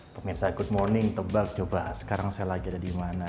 pemirsa good morning tebak coba sekarang saya lagi ada di mana